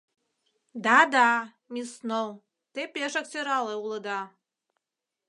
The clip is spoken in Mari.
Да-да, мисс Сноу, те пешак сӧрале улыда!